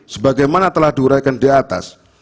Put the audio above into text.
sebagaimana telah diuraikan diatas